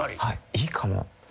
いいかも。